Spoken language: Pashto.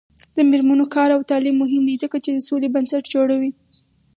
د میرمنو کار او تعلیم مهم دی ځکه چې سولې بنسټ جوړوي.